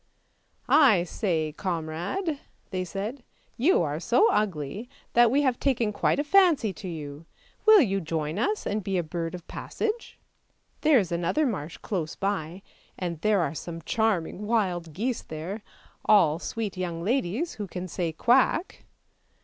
" I say, comrade," they said, " you are so ugly that we have taken quite a fancy to you; will you join us and be a bird of passage? There is another marsh close by, and there are some charming wild geese there; all sweet young ladies, who can say quack!